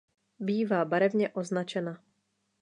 Bývá barevně označena.